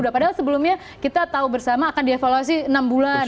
padahal sebelumnya kita tahu bersama akan dievaluasi enam bulan